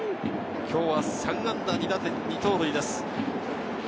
今日は３安打２打点２盗塁です。